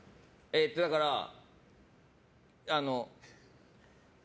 だから、あの。